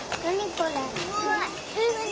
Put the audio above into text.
これ。